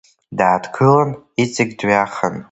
Дааҭгылан, иҵегь дҩахан.